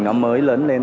nó mới lớn lên